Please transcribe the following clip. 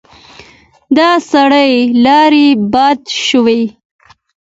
د سړي لاړې باد شوې.